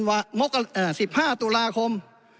วันที่๑๕ตุลาคม๒๕๖๓